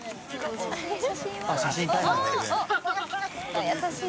あっ優しい。